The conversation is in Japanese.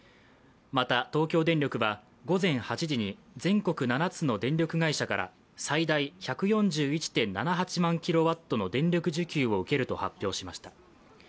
また東京電力は午前８時に全国７つの電力会社から最大１４１．７８キロワットの電力需給を受けると発表しました。